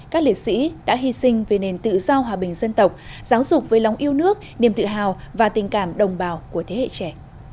các liệt sĩ đã hy sinh về nền tự do hòa bình dân tộc giáo dục với lòng yêu nước niềm tự hào và tình cảm đồng bào của thế hệ trẻ